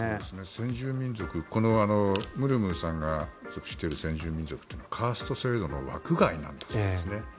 先住民族、このムルムーさんが属している先住民族というのはカースト制度の枠外なんだそうですね。